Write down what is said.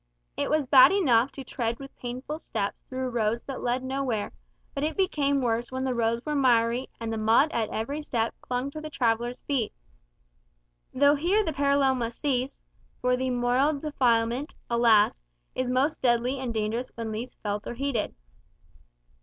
It was bad enough to tread with painful steps through roads that led nowhere; but it became worse when the roads were miry, and the mud at every step clung to the traveller's feet. Though here the parallel must cease; for the moral defilement, alas! is most deadly and dangerous when least felt or heeded.